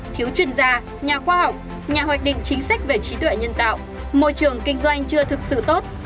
thiếu chuyên gia nhà khoa học nhà hoạch định chính sách về trí tuệ nhân tạo môi trường kinh doanh chưa thực sự tốt